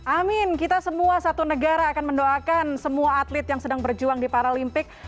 amin kita semua satu negara akan mendoakan semua atlet yang sedang berjuang di paralimpik